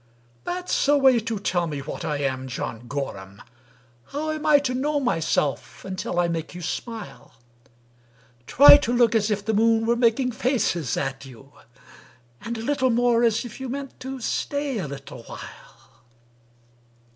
"— "That's a way to tell me what I am, John Gorham! How am I to know myself until I make you smile? Try to look as if the moon were making faces at you, And a little more as if you meant to stay a little while."